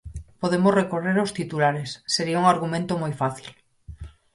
Podemos recorrer aos titulares, sería un argumento moi fácil.